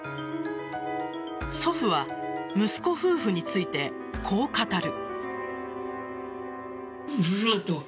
祖父は息子夫婦についてこう語る。